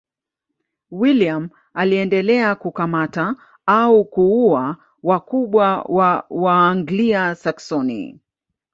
William aliendelea kukamata au kuua wakubwa wa Waanglia-Saksoni.